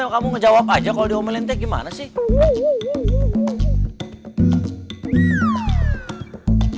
kamu ngejawab aja kalau diomelin teh gimana sih